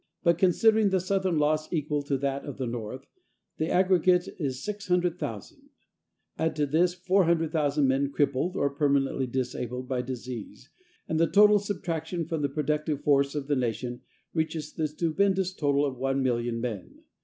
But, considering the Southern loss equal to that of the North, the aggregate is 600,000. Add to this 400,000 men crippled or permanently disabled by disease, and the total subtraction from the productive force of the nation reaches the stupendous total of 1,000,000 men.